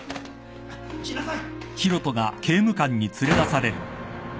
来なさい！